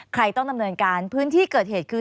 ใครต้องดำเนินการพื้นที่เกิดเหตุคือ